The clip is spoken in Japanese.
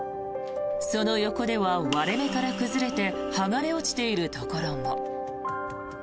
その横では割れ目から崩れて剥がれ落ちているところも。